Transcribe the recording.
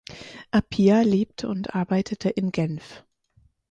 Appia lebte und arbeitete in Genf.